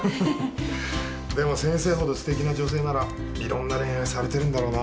でも先生ほどすてきな女性ならいろんな恋愛されてるんだろうな。